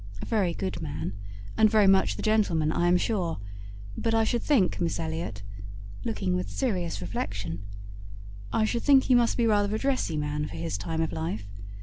A very good man, and very much the gentleman I am sure: but I should think, Miss Elliot," (looking with serious reflection), "I should think he must be rather a dressy man for his time of life.